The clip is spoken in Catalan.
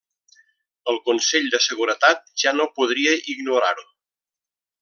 El Consell de Seguretat ja no podria ignorar-ho.